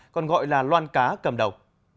còn gọi là loan cá cầm đầu